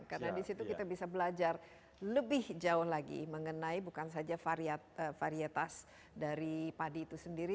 karena disitu kita bisa belajar lebih jauh lagi mengenai bukan saja varietas dari padi itu sendiri